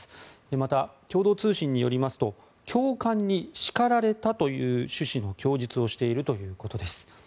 また、共同通信によりますと教官に叱られたという趣旨の供述をしているということです。